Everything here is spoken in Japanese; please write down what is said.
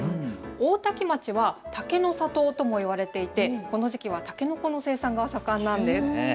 大多喜町は竹の里ともいわれていてこの時期はたけのこの生産が盛んなんです。